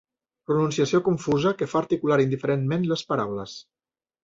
Pronunciació confusa que fa articular indiferentment les paraules.